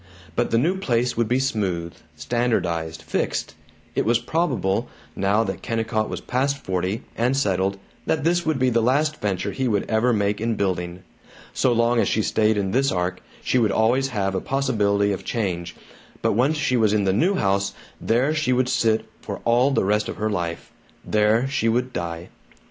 But the new place would be smooth, standardized, fixed. It was probable, now that Kennicott was past forty, and settled, that this would be the last venture he would ever make in building. So long as she stayed in this ark, she would always have a possibility of change, but once she was in the new house, there she would sit for all the rest of her life there she would die.